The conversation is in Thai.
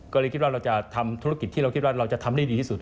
ก็เลยคิดว่าเราจะทำธุรกิจที่เราคิดว่าเราจะทำได้ดีที่สุด